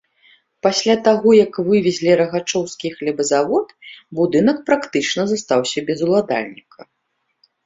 Пасля таго, як вывезлі рагачоўскі хлебазавод, будынак практычна застаўся без уладальніка.